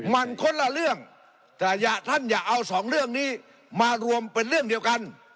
มันคนละเรื่องแต่ท่านอย่าเอาสองเรื่องนี้มารวมเป็นเรื่องเดียวกัน